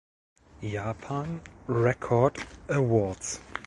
Japan Record Awards.